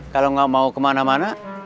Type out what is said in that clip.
kalau nggak mau kemana mana